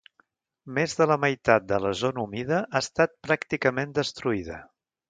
Més de la meitat de la zona humida ha estat pràcticament destruïda.